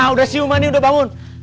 udah siuman ini udah bangun